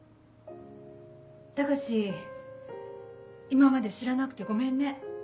今まで知らなくてごめんね。